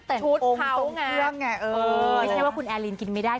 แต่งองค์ตรงเครื่องไงเออไม่ใช่ว่าคุณแอลลินกินไม่ได้